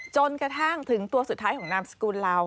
จนกระทั่งถึงตัวสุดท้ายของนามสกุลลาว